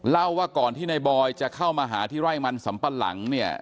เล่าว่าก่อนที่นายบอยจะเข้ามาหาที่ไร่มันสำปะหลังเนี่ย